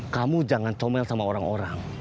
kamu jangan comel sama orang orang